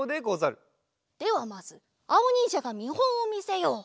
ではまずあおにんじゃがみほんをみせよう。